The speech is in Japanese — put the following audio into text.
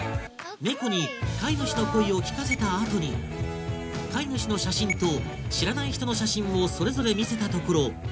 猫に飼い主の声を聞かせたあとに飼い主の写真と知らない人の写真をそれぞれ見せたところ